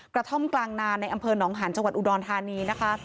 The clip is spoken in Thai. กระท่อมกลางนาในอำเภอหนองหันจังหวัดอุดรธานีนะคะ